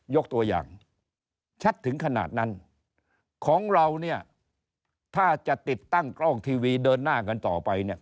ยกตัวอย่างชัดถึงขนาดนั้นของเราเนี่ยถ้าจะติดตั้งกล้องทีวีเดินหน้ากันต่อไปเนี่ย